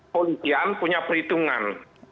polisian punya perhitungan